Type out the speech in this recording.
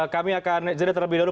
kami akan jeda terlebih dahulu